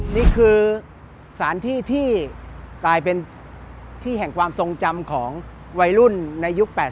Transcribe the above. นี่คือสถานที่ที่กลายเป็นที่แห่งความทรงจำของวัยรุ่นในยุค๘๐